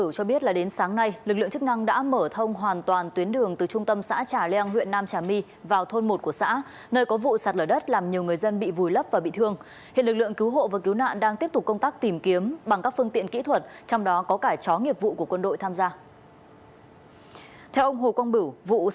chào mừng quý vị đến với bộ phim hồ quang bửu